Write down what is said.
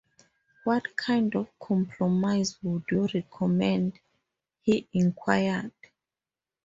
‘What kind of compromise would you recommend?’ he inquired.